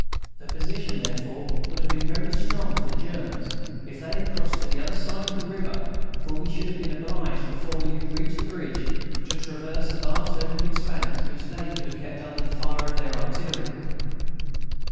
The position therefore would have been very strong for the Germans, if they had crossed to the other side of the river, for we should have been obliged, before we could reach the bridge, to traverse a vast open expanse which they could have kept under the fire of their artillery.